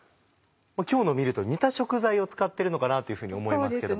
今日の見ると似た食材を使ってるのかなと思いますけども。